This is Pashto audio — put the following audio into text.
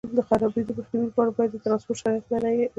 د حاصل د خرابېدو مخنیوي لپاره باید د ټرانسپورټ شرایط معیاري وي.